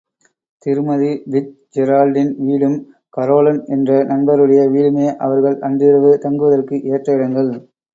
திருமதி பிட்ஜெரால்டின் வீடும், கரோலன் என்ற நண்பருடைய வீடுமே அவர்கள் அன்றிரவு தங்குவதற்கு ஏற்ற இடங்கள்.